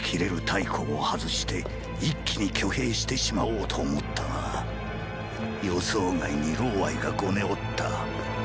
太后を外して一気に挙兵してしまおうと思ったが予想外にがごねおった。